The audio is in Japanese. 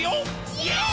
イエーイ！！